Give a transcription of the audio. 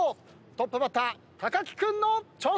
トップバッター木君の挑戦です！